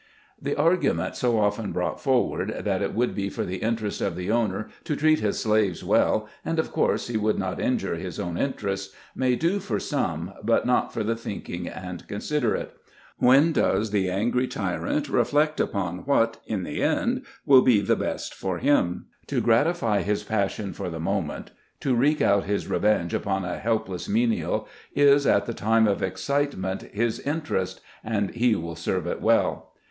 The argument so often brought forward, that it would be for the interest of the owner to treat his slaves well, and of course he would not injure his own interests, may do for some, but not for the thinking and considerate. When does the angry tyrant reflect upon what, in the end, will be the best for him ? To gratify his passion for the moment, to wreak out his revenge upon a helpless menial, is, at THE SYSTEM. 155 the time of excitement, his interest, and he will serve it well.